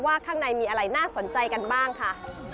ข้างในมีอะไรน่าสนใจกันบ้างค่ะ